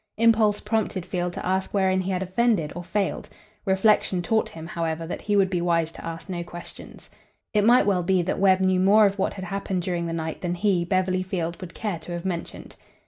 Impulse prompted Field to ask wherein he had offended or failed. Reflection taught him, however, that he would be wise to ask no questions. It might well be that Webb knew more of what had happened during the night than he, Beverly Field, would care to have mentioned.